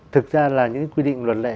thực ra là những quy định luật lệ